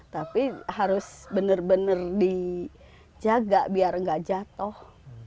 tapi harus bener bener dijaga biar nggak jatoh